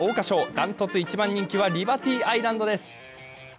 ダントツ一番人気はリバティアイランドです。